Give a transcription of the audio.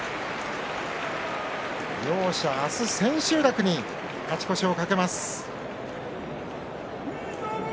両者、明日の千秋楽に勝ち越しを懸けます。